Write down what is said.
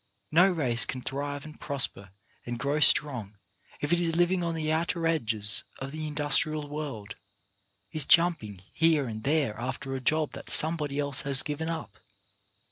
No race can thrive and prosper and grow strong if it is living on the outer edges of the industrial world, is jumping here and there after a job that some body else has given up.